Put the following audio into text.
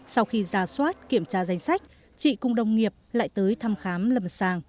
sau khi ra soát kiểm tra danh sách chị cùng đồng nghiệp lại tới thăm khám lầm sàng